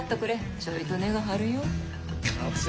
ちょいと値が張るよ。